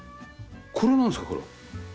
これはなんですか？